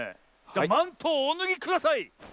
マントをおぬぎください！